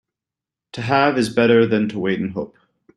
To have is better than to wait and hope.